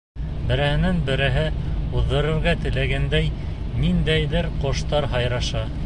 Береһенән-береһе уҙҙырырға теләгәндәй, ниндәйҙер ҡоштар һайраша.